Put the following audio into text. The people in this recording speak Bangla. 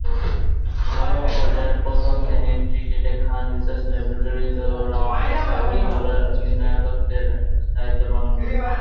ঘরোয়া পর্যায়ের প্রথম-শ্রেণীর ক্রিকেটে খান রিসার্চ ল্যাবরেটরিজ ও রাওয়ালপিন্ডি দলের অধিনায়কের দায়িত্ব পালন করেছেন।